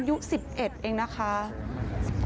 คุณผู้ชมได้ยินใช่ไหมน้องออมสินคุยกับนักข่าวน้องอายุ๑๑นะคะ